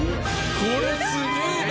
これすげえな！